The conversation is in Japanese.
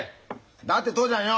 だって父ちゃんよ